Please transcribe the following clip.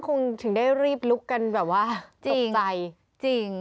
คงถึงได้รีบลุกกันแบบว่าตกใจจริง